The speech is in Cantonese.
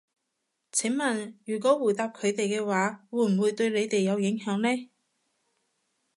請問如果回答佢哋嘅話，會唔會對你哋有影響呢？